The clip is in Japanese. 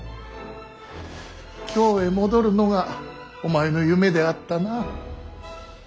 京へ戻るのがお前の夢であったな。